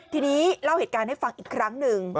ทีนี้เล่าเหตุการณ์ให้ฟังอีกครั้งหนึ่ง